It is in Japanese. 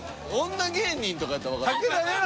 女芸人とかやったら分かるよ。